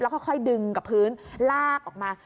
แล้วก็ค่อยดึงกับพื้นลากออกมา